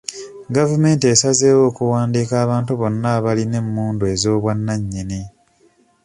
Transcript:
Gavumenti esazeewo okuwandiika abantu bonna abalina emmundu ez'obwannannyini.